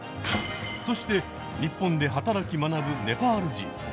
そしてニッポンで働き学ぶネパール人。